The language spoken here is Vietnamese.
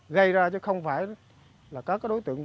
gây ra chứ không phải là các đối tượng